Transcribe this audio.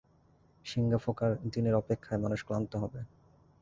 শিঙা ফোঁকার দিনের অপেক্ষায় মানুষ ক্লান্ত হবে।